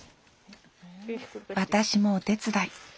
私もお手伝い。